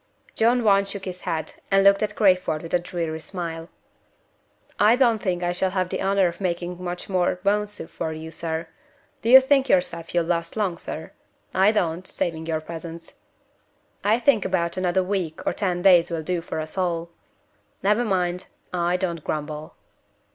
John Want shook his head, and looked at Crayford with a dreary smile. "I don't think I shall have the honor of making much more bone soup for you, sir. Do you think yourself you'll last long, sir? I don't, saving your presence. I think about another week or ten days will do for us all. Never mind! I don't grumble."